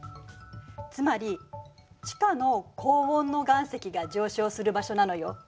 つまり地下の高温の岩石が上昇する場所なのよ。